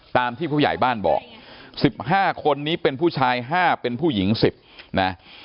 ตามที่ผู้ใหญ่บ้านบอก๑๕คนนี้เป็นผู้ชาย๕เป็นผู้หญิง๑๐นะ